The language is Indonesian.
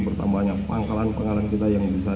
bertambahnya pangkalan pangkalan kita yang bisa